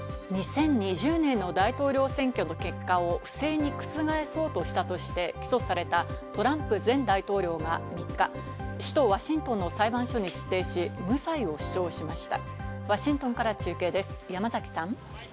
２０２０年の大統領選挙の結果を不正に覆そうとしたとして起訴されたトランプ前大統領が３日、首都・ワシントンの裁判所に出廷し、無罪を主張しました。